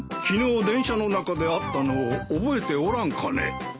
昨日電車の中で会ったのを覚えておらんかね？